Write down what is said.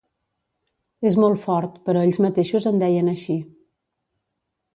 És molt fort, però ells mateixos en deien així.